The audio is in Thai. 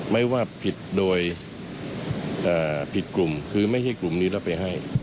ไม่ว่าผิดโดยผิดกลุ่มคือไม่ใช่กลุ่มนี้แล้วไปให้